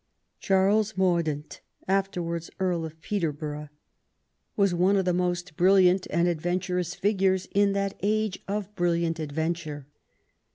Charles Mordaunt, afterwards Earl of Peterborough, was one of the most brilliant and adventurous figures in that age of brilliant adventure.